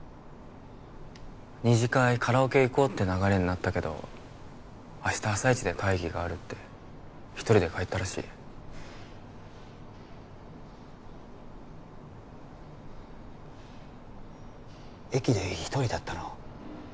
二次会カラオケ行こうって流れになったけど明日朝イチで会議があるって１人で帰ったらしい駅で１人だったの？